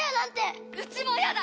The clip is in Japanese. うちもやだ！